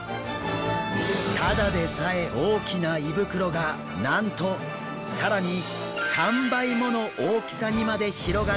ただでさえ大きな胃袋がなんと更に３倍もの大きさにまで広がるんです。